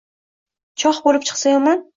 Chox bo’lib chiqsa yomon.